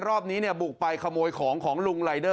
รอบนี้บุกไปขโมยของของลุงรายเดอร์